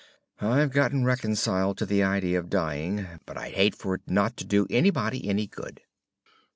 I've gotten reconciled to the idea of dying, but I'd hate for it not to do anybody any good."